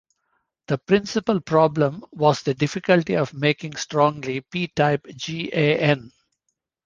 The principal problem was the difficulty of making strongly p-type GaN.